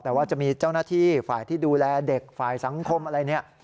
แต่ว่าจะมีเจ้าหน้าที่ฝ่ายที่ดูแลเด็กฝ่ายสังคมอะไรเนี่ย